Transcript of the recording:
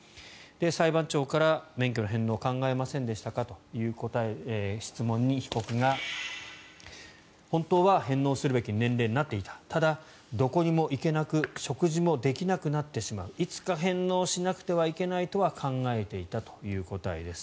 裁判長から免許の返納を考えませんでしたかという質問に被告が本当は返納するべき年齢になっていたただ、どこにも行けなく食事もできなくなってしまういつか返納しなくてはいけないとは考えていたという答えです。